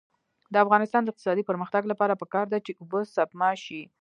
د افغانستان د اقتصادي پرمختګ لپاره پکار ده چې اوبه سپما شي.